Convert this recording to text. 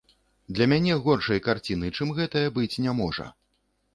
Для мяне горшай карціны, чым гэтая, быць не можа.